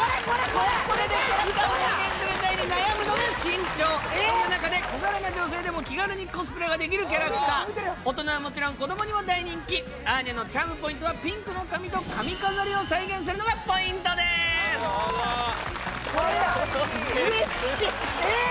コスプレでキャラクターを表現する際に悩むのが身長そんな中で小柄な女性でも気軽にコスプレができるキャラクター大人はもちろん子どもにも大人気アーニャのチャームポイントはピンクの髪と髪飾りを再現するのがポイントですえーっ！